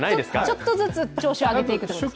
ちょっとずつ調子を上げていくということですか？